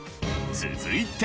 続いて。